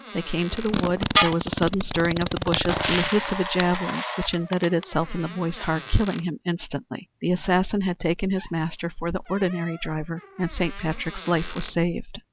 They came to the wood; there was a sudden stirring of the bushes and the hiss of a javelin which imbedded itself in the boy's heart, killing him instantly. The assassin had taken his master for the ordinary driver and Saint Patrick's life was saved.